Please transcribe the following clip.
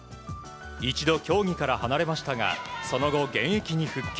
一度競技から離れましたがその後、現役に復帰。